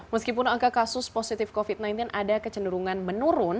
meskipun angka kasus positif covid sembilan belas ada kecenderungan menurun